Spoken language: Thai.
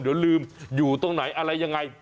เดี๋ยวลืมอยู่ตรงไหนอะไรยังไง